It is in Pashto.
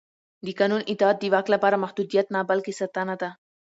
د قانون اطاعت د واک لپاره محدودیت نه بلکې ساتنه ده